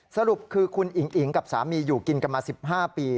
สรุปคือคุณอิ๋งอิ๋งกับสามีอยู่กินกันมา๑๕ปี